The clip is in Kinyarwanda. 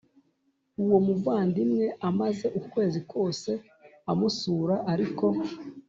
Uwo muvandimwe amaze ukwezi kose amusura ariko